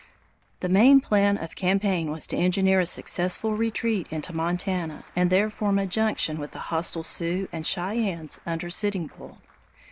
The main plan of campaign was to engineer a successful retreat into Montana and there form a junction with the hostile Sioux and Cheyennes under Sitting Bull.